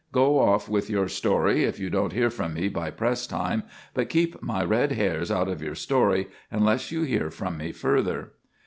Go off with your story if you don't hear from me by press time, but keep my red hairs out of your story unless you hear from me further."